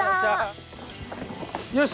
よし。